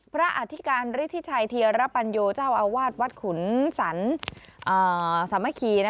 พระอธิการฤทธิชัยธิระปัญโยเจ้าอาวาสวัดขุนศรรษะเมื่อกี้